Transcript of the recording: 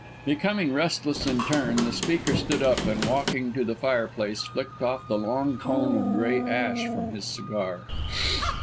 Becoming restless in turn, the speaker stood up and walking to the fireplace flicked off the long cone of grey ash from his cigar.